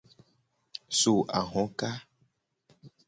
So ahoka.